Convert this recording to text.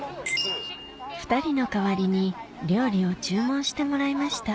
２人の代わりに料理を注文してもらいました